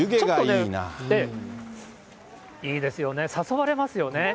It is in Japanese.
いいですよね、誘われますよね。